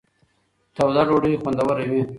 توده ډوډۍ خوندوره وي.